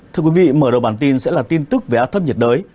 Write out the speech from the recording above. thưa quý vị mở đầu bản tin sẽ là tin tức về áp thấp nhiệt đới